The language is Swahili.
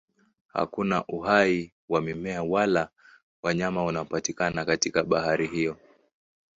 Hakuna uhai wa mimea wala wanyama unaopatikana katika bahari hiyo.